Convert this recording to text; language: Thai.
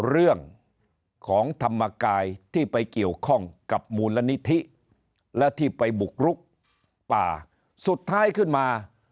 เรื่องของธรรมกายที่ไปเกี่ยวข้องกับมูลนิธิและที่ไปบุกรุกป่าสุดท้ายขึ้นมา